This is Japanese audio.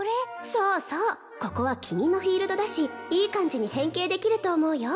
・そうそうここは君のフィールドだしいい感じに変形できると思うよ